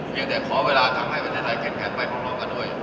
ไม่ได้ขอเวลาทำให้ประเทศไทยแข็งแข็งไปของเรากันด้วย